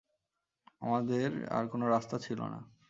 আমাদের আর কোনো রাস্তা ছিল না।